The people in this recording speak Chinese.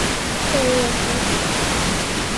穗叶藤属。